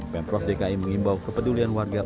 pemprov dki mengimbau kepedulian warga